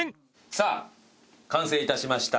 さあ完成いたしました。